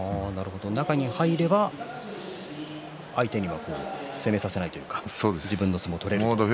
中に入れば相手には攻めさせないというか自分の相撲が取れるということですね。